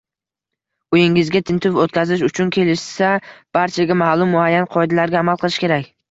— Uyingizga tintuv o‘tkazish uchun kelishsa, barchaga ma’lum muayyan qoidalarga amal qilish kerak.